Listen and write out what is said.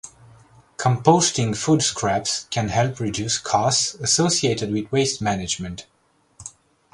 Composting food scraps can help reduce costs associated with waste management.